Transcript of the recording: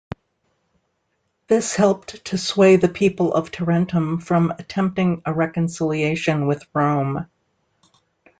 This helped to sway the people of Tarentum from attempting a reconciliation with Rome.